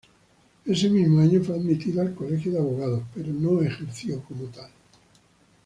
Ese mismo año fue admitido al Colegio de Abogados pero no ejerció como abogado.